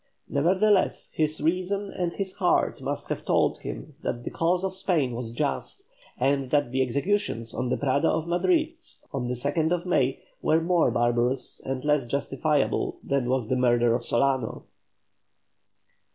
Nevertheless his reason and his heart must have told him that the cause of Spain was just, and that the executions on the Prado of Madrid on the 2nd May were more barbarous and less justifiable than was the murder of Solano.